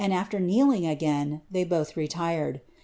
slier kneeling again, they botli retired.